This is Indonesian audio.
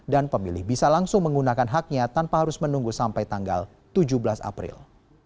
dan pemilih bisa langsung menggunakan haknya tanpa harus menunggu sampai tanggal tujuh belas april